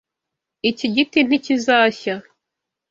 Iki giti ntikizashya.